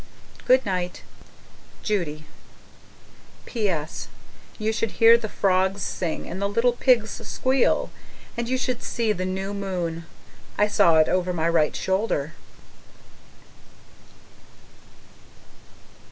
Good night, Judy PS. You should hear the frogs sing and the little pigs squeal and you should see the new moon! I saw it over my right shoulder.